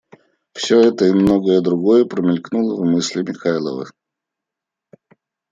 Всё это и многое другое промелькнуло в мысли Михайлова.